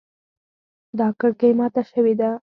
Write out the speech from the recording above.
دا کړکۍ ماته شوې ده